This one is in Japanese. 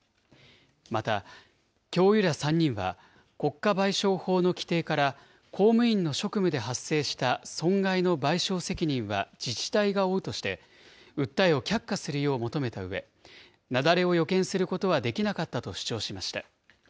また、教諭ら３人は国家賠償法の規定から、公務員の職務で発生した損害の賠償責任は自治体が負うとして、訴えを却下するよう求めたうえ、雪崩を予見することはできなかったと主張しました。